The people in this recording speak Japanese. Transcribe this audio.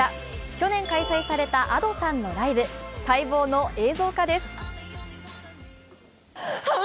去年開催されたＡｄｏさんのライブ、待望の映像化です。